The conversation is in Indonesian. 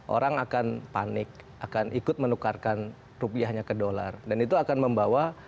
orang akan panik akan ikut menukarkan rupiahnya ke dolar dan itu akan membawa